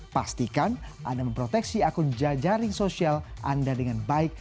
pastikan anda memproteksi akun jajaring sosial anda dengan baik